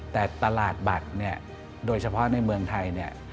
แต่ตลาดบัตรโดยเฉพาะในเมืองไทย